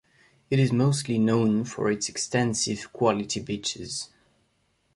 It is mostly known for its extensive quality beaches.